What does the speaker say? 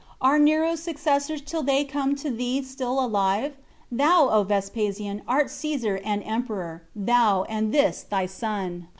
Are Nero's successors till they come to thee still alive? Thou, O Vespasian, art Caesar and emperor, thou, and this thy son.